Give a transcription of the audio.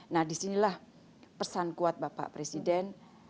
nah disinilah pesan kuat bapak presiden